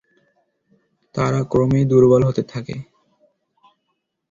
তারা ক্রমেই দুর্বল হতে থাকে।